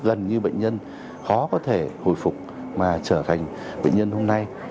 gần như bệnh nhân khó có thể hồi phục mà trở thành bệnh nhân hôm nay